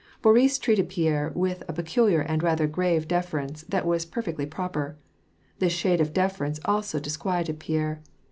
Boris treated Pierre with a peculiar and rather grave deference, that was perfectly proper. This shade of deference also disquieted Pierre.